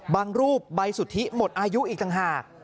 รูปใบสุทธิหมดอายุอีกต่างหาก